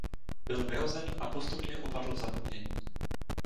Byl vyhozen a postupně upadl v zapomnění...